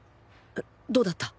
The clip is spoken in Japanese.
どうだった？